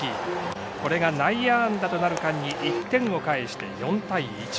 これが内野安打となる間に１点を返して４対１。